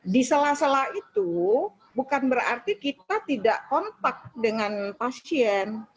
di sela sela itu bukan berarti kita tidak kontak dengan pasien